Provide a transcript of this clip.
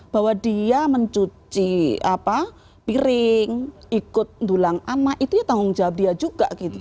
bahwa dia mencuci piring ikut dulang anak itu ya tanggung jawab dia juga gitu